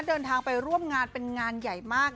เดินทางไปร่วมงานเป็นงานใหญ่มาก